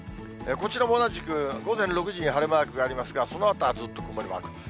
こちらも同じく、午前６時に晴れマークがありますが、そのあとはずっと曇りマーク。